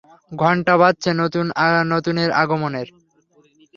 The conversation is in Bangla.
ঘণ্টা বাজছে নতুনের আগমনের।